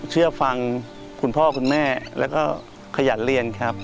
เชื่อฟังคุณพ่อคุณแม่แล้วก็ขยันเรียนครับ